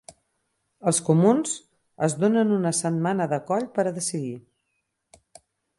Els comuns es donen una setmana de coll per a decidir